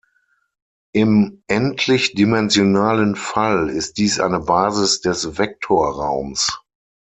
Im endlichdimensionalen Fall ist dies eine Basis des Vektorraums.